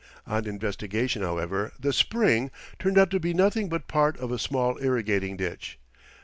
On investigation, however, the" spring" turned out to be nothing but part of a small irrigating ditch.